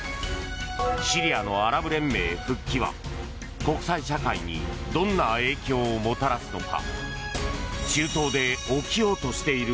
シリアのアラブ連盟復帰は国際社会にどんな影響をもたらすのか。